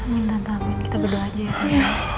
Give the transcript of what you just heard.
minta maafin kita berdoa aja ya